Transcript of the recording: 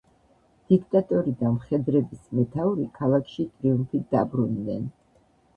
დიქტატორი და მხედრების მეთაური ქალაქში ტრიუმფით დაბრუნდნენ.